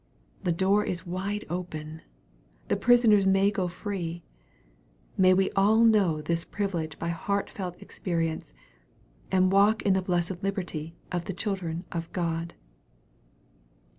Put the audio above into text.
The door is wide open. The prisoners may go free. May we all know this privilege by heartfelt experience, and walk in the blessed liberty of the children of God.